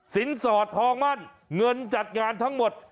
สอดทองมั่นเงินจัดงานทั้งหมด